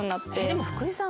でも福井さん